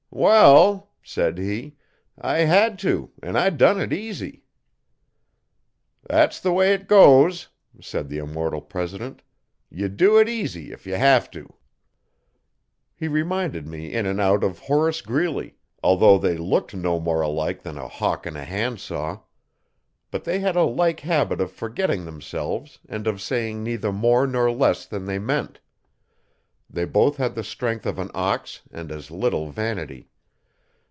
'"Wall," said he, "I hed to, an' I done it easy." 'That's the way it goes,' said the immortal president, 'ye do it easy if ye have to. He reminded me in and out of Horace Greeley, although they looked no more alike than a hawk and a handsaw. But they had a like habit of forgetting themselves and of saying neither more nor less than they meant. They both had the strength of an ox and as little vanity.